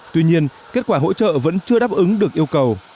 tuy nhiên kết quả hỗ trợ vẫn chưa đáp ứng được yêu cầu